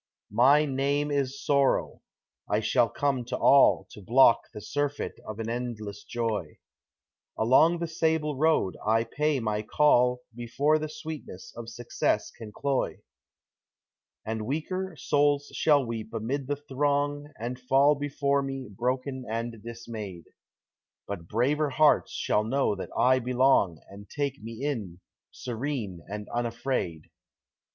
My name is Sorrow I shall come to all To block the surfeit of an endless joy; Along the Sable Road I pay my call Before the sweetness of success can cloy; And weaker souls shall weep amid the throng And fall before me, broken and dismayed; But braver hearts shall know that I belong And take me in, serene and unafraid.